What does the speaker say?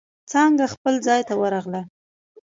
څانگه خپل ځای ته ورغله.